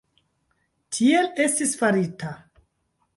Tiel estis farita.